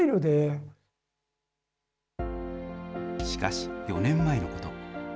しかし、４年前のこと。